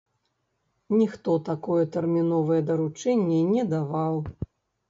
Ніхто такое тэрміновае даручэнне не даваў.